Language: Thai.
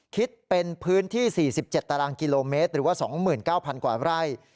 คิดเป็นพื้นที่๔๗ตารางกิโลเมตรหรือว่า๒๙๐๐กว่าไร่